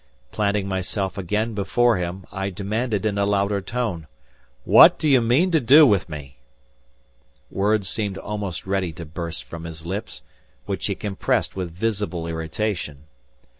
Planting myself again before him, I demanded in a louder tone, "What do you mean to do with me?" Words seemed almost ready to burst from his lips, which he compressed with visible irritation.